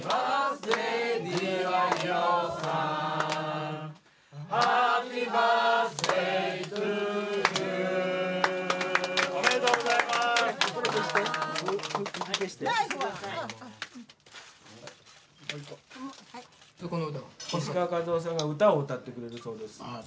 石川一雄さんが歌を歌ってくれるそうです。